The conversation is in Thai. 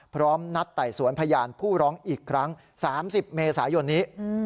พร้อมนัดไต่สวนพยานผู้ร้องอีกครั้ง๓๐เมษายนนี้